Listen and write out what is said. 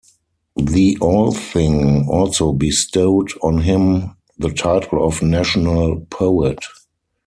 The Althing also bestowed on him the title of "National Poet".